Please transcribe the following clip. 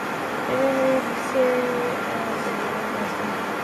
Daniel Henry Pereira's son, William H. D. Pereira, studied at Wesley.